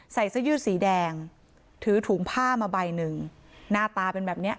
ใส่เสื้อยืดสีแดงถือถุงผ้ามาใบหนึ่งหน้าตาเป็นแบบเนี้ย